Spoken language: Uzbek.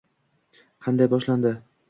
Qanday boshlandi?